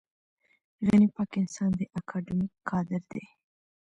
غني پاک انسان دی اکاډمیک کادر دی.